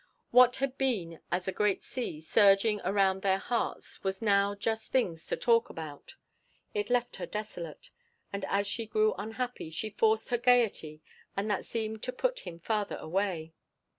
What had been as a great sea surging around their hearts was now just things to talk about. It left her desolate. And as she grew unhappy, she forced her gaiety and that seemed to put him the farther away.